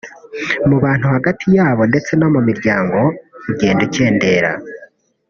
mu bantu hagati y’abo ndetse no mu miryango ugenda ukendera